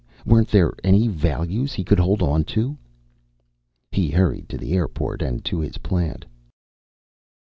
Weren't there any values he could hold on to? He hurried to the airport and to his plant.